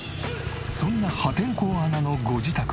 そんな破天荒アナのご自宅は？